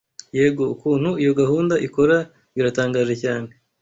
Yego. Ukuntu iyo gahunda ikora biratangaje cyane